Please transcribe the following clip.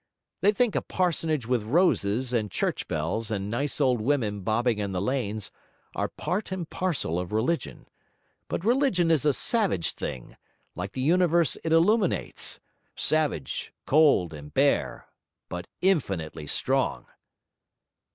They think a parsonage with roses, and church bells, and nice old women bobbing in the lanes, are part and parcel of religion. But religion is a savage thing, like the universe it illuminates; savage, cold, and bare, but infinitely strong.'